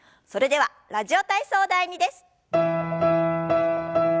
それでは「ラジオ体操第２」です。